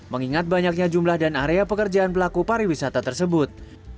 mengingat banyaknya jumlah dan area pekerjaan pelaku pariwisata tersebut